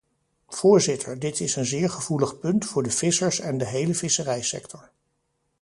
Voorzitter, dit is een zeer gevoelig punt voor de vissers en de hele visserijsector.